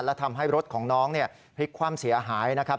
และทำให้รถของน้องพลิกคว่ำเสียหายนะครับ